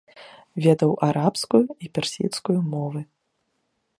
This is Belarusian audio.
Ведаў арабскую і персідскую мовы.